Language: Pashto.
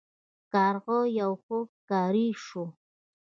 کارغه یو ښه ښکاري شو.